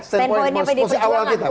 standpointnya pdi perjuangan